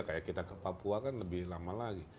kayak kita ke papua kan lebih lama lagi